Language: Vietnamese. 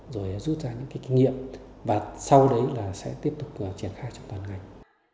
rồi rút ra những kinh nghiệm và sau đấy là sẽ tiếp tục triển khai trong toàn ngành